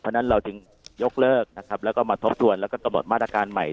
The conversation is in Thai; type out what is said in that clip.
เพราะฉะนั้นเราจึงยกเลิกนะครับแล้วก็มาทบทวนแล้วก็กำหนดมาตรการใหม่